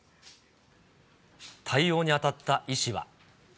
対応に当たった医師は。